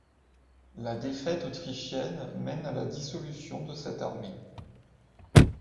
La défaite autrichienne mène à la dissolution de cette armée.